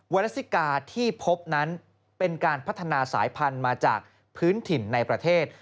เลสซิกาที่พบนั้นเป็นการพัฒนาสายพันธุ์มาจากพื้นถิ่นในประเทศ